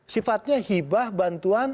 sifatnya hibah bantuan